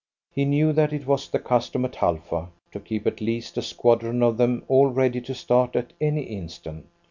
He knew that it was the custom at Halfa to keep at least a squadron of them all ready to start at any instant.